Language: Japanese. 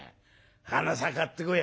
花さ買ってこい」。